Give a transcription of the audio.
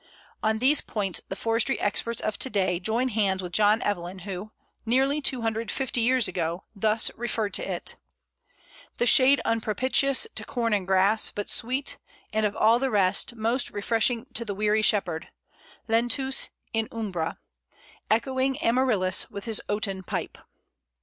On these points the forestry experts of to day join hands with John Evelyn, who, nearly 250 years ago, thus referred to it "The shade unpropitious to corn and grass, but sweet, and of all the rest, most refreshing to the weary shepherd lentus in umbra, echoing Amaryllis with his oaten pipe."